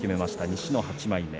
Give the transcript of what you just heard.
西の８枚目。